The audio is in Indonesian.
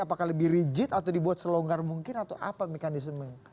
apakah lebih rigid atau dibuat selonggar mungkin atau apa mekanismenya